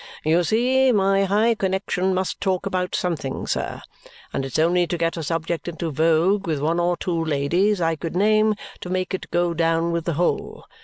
You see, my high connexion must talk about something, sir; and it's only to get a subject into vogue with one or two ladies I could name to make it go down with the whole.